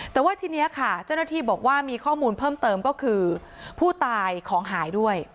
แต่ว่าทีนี้ค่ะเจ้าหน้าที่บอกว่ามีข้อมูลเพิ่มเติมก็คือผู้ตายของหายด้วย